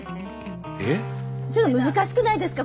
ちょっと難しくないですか？